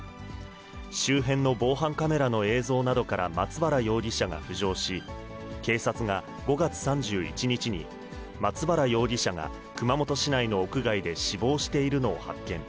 周辺の防犯カメラの映像などから松原容疑者が浮上し、警察が５月３１日に、松原容疑者が熊本市内の屋外で死亡しているのを発見。